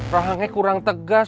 rahangnya kurang tegas